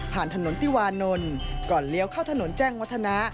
ถนนติวานนท์ก่อนเลี้ยวเข้าถนนแจ้งวัฒนะ